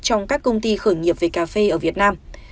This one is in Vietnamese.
trong các công ty khởi nghiệp về cà phê ở việt nam